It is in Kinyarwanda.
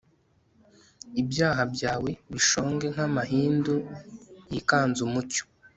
ibyaha byawe bishonge nk'amahindu yikanze umucyo